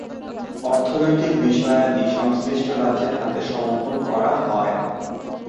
অর্থনৈতিক বিষয়াদি সংশ্লিষ্ট রাজ্যের হাতে সমর্পণ করা হয়য়।